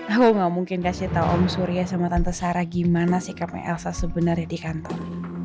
aku gak mungkin kasih tahu om surya sama tante sarah gimana sikapnya elsa sebenarnya di kantor